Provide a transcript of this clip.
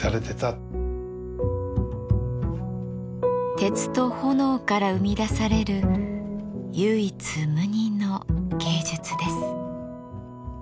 鉄と炎から生み出される唯一無二の芸術です。